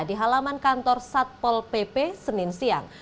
di halaman kantor satpol pp senin siang